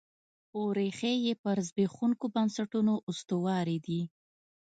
خو ریښې یې پر زبېښونکو بنسټونو استوارې دي.